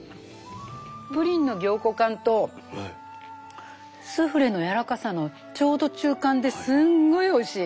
プリンの凝固感とスフレのやわらかさのちょうど中間ですんごいおいしい。